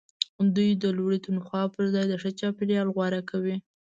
دوی د لوړې تنخوا پرځای د ښه چاپیریال غوره کوي